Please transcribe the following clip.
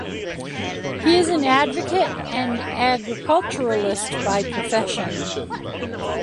He is an advocate and agriculturalist by profession.